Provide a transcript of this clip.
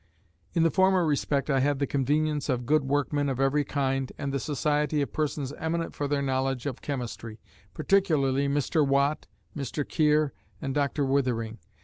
In the former respect I had the convenience of good workmen of every kind, and the society of persons eminent for their knowledge of chemistry; particularly Mr. Watt, Mr. Keir, and Dr. Withering.